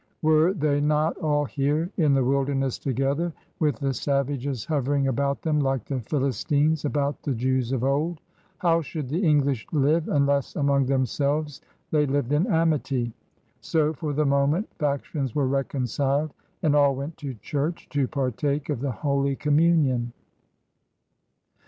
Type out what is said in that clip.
Were they not all here in the wilderness together, with the savages hovering about them like the Philistines about the Jews of old? How should the English live, imless among themselves they lived in amity? So for the moment factions were reconciled, and all went to church to partake of the Holy Com munion.